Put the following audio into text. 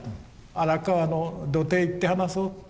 荒川の土手へ行って話そう。